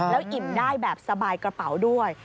แล้วอิ่มได้แบบสบายกระเป๋าด้วย